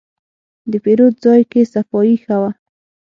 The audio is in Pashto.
د پیرود ځای کې صفایي ښه وه.